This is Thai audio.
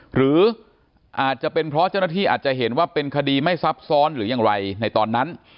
หรืออาจจะเป็นเพราะเจ้าหน้าที่อาจจะเห็นว่าเป็นคดีไม่ซับซ้อนหรือยังไรในตอนนั้น